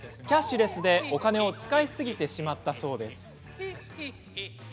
キャッシュレスでお金を使いすぎてしまったそうです。